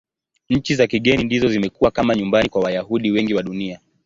Nchi za kigeni ndizo zimekuwa kama nyumbani kwa Wayahudi wengi wa Dunia.